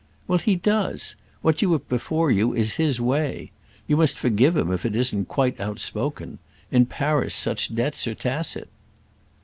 _" "Well, he does. What you have before you is his way. You must forgive him if it isn't quite outspoken. In Paris such debts are tacit."